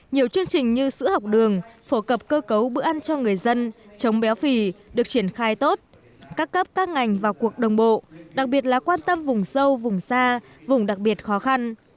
nhiều chương trình như sữa học đường phổ cập cơ cấu bữa ăn cho người dân chống béo phì được triển khai tốt các cấp các ngành vào cuộc đồng bộ đặc biệt là quan tâm vùng sâu vùng xa vùng đặc biệt khó khăn